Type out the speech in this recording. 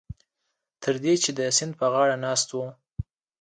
تر دې چې د سیند په غاړه ناست وو.